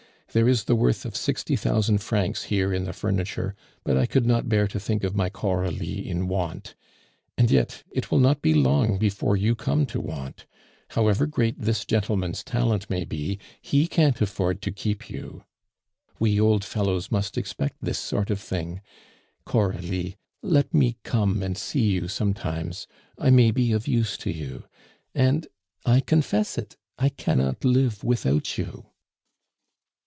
There is the worth of sixty thousand francs here in the furniture; but I could not bear to think of my Coralie in want. And yet, it will not be long before you come to want. However great this gentleman's talent may be, he can't afford to keep you. We old fellows must expect this sort of thing. Coralie, let me come and see you sometimes; I may be of use to you. And I confess it; I cannot live without you."